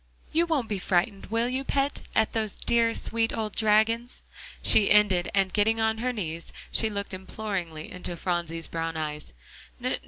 You won't be frightened, will you, pet, at those dear, sweet old dragons?" she ended, and getting on her knees, she looked imploringly into Phronsie's brown eyes.